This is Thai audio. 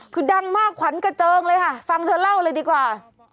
คือดังมากขวัญกระเจิงเลยค่ะฟังเธอเล่าเลยดีกว่า